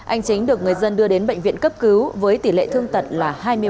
anh chính được người dân đưa đến bệnh viện cấp cứu với tỷ lệ thương tật là hai mươi ba